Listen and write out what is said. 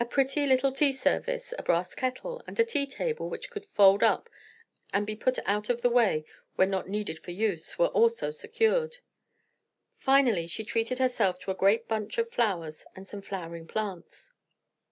A pretty little tea service, a brass kettle, and a tea table which could fold up and be put out of the way when not needed for use, were also secured. Finally she treated herself to a great bunch of flowers and some flowering plants.